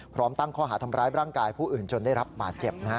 พร้อมตั้งข้อหาทำร้ายร่างกายผู้อื่นจนได้รับบาดเจ็บ